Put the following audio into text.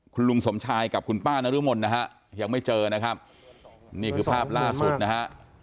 คุณลุงสมชายกับคุณป้านรมนนะฮะยังไม่เจอนะครับนี่คือภาพล่าสุดนะฮะ